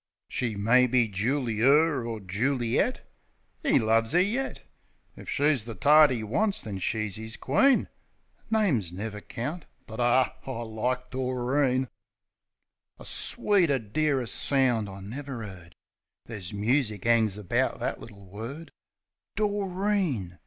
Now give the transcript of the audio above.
She may be Juli er or Juli et — 'E loves 'er yet. If she's the tart 'e wants, then she's 'is queen, Names never count ... But ar, I like "Doreen !" A sweeter, dearer sound I never 'eard; Ther's music 'angs around that little word, Doreen!